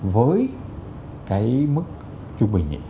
với cái mức trung bình